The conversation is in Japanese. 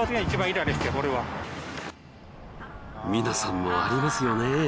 皆さんもありますよね。